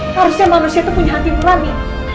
harusnya manusia itu punya hati nurani